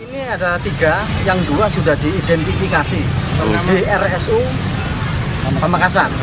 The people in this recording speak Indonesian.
ini ada tiga yang dua sudah diidentifikasi di rsu pemakasan